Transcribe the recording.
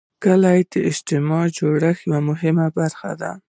کلي د اجتماعي جوړښت یوه مهمه برخه ده.